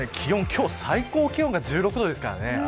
今日最高気温が１６度ですからね